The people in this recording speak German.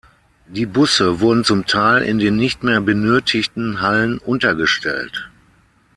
Die Busse wurden zum Teil in den nicht mehr benötigten Hallen untergestellt.